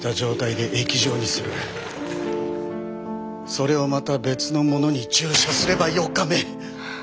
それをまた別の者に注射すれば４日目！